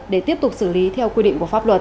để tiếp tục xử lý theo quy định của pháp luật